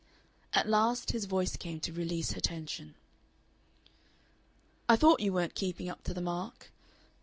At last his voice came to release her tension. "I thought you weren't keeping up to the mark.